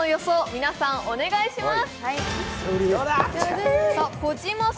皆さんお願いします。